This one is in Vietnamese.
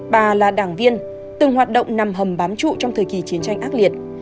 bà là đảng viên từng hoạt động nằm hầm bám trụ trong thời kỳ chiến tranh ác liệt